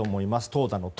投打の投。